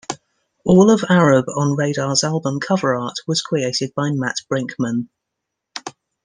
All of Arab on Radar's album cover art was created by Matt Brinkman.